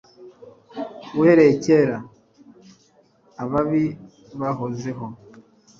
uhereye kera ababi bahozeho